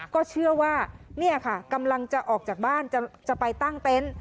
ก็เชื่อว่าเนี่ยค่ะกำลังจะออกจากบ้านจะไปตั้งเต็นต์